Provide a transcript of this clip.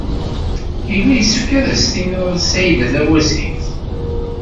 Yella yessefk ad as-tiniḍ i Saɛida Tawasift.